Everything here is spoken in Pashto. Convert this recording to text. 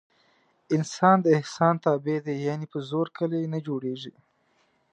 انسان د احسان تابع دی. یعنې په زور کلي نه جوړېږي.